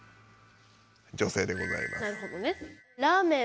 女性でございます。